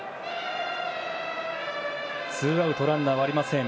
ツーアウトランナーはありません。